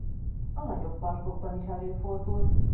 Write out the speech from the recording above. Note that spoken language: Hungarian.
A nagyobb parkokban is előfordul.